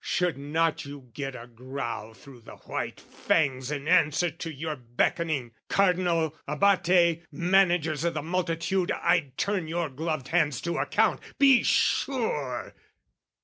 Should not you get a growl through the white fangs In answer to your beckoning! Cardinal, Abate, managers o' the multitude, I'd turn your gloved hands to account, be sure!